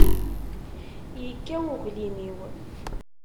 Yekkaw uglim-iw.